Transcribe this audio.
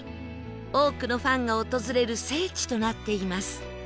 多くのファンが訪れる聖地となっています